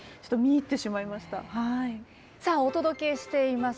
さあお届けしています